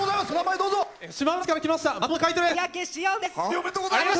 おめでとうございます！